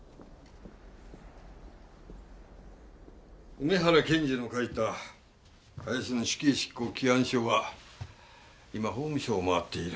梅原検事の書いた林の死刑執行起案書は今法務省を回っている。